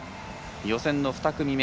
予選の２組目。